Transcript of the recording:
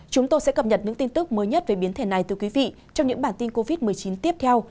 chúng tôi sẽ cập nhật những tin tức mới nhất về biến thể này từ quý vị trong những bản tin covid một mươi chín tiếp theo